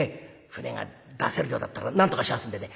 舟が出せるようだったらなんとかしやすんでね